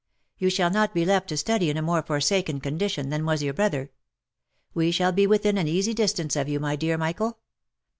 You shall not be left to study in a more forsaken condition than was your brother. We shall be within an easy distance of you, my dear Michael.